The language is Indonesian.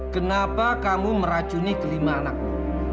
kenapa kamu meracuni kelima anakku